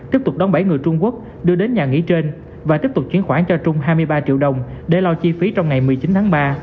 tiếp tục đón bảy người trung quốc đưa đến nhà nghỉ trên và tiếp tục chuyển khoản cho trung hai mươi ba triệu đồng để lo chi phí trong ngày một mươi chín tháng ba